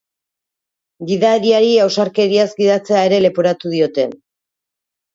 Gidariari ausarkeriaz gidatzea ere leporatu diote.